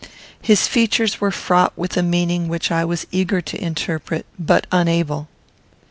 His features were fraught with a meaning which I was eager to interpret, but unable.